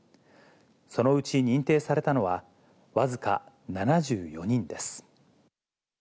そのうち認定されたのは僅か７４人です。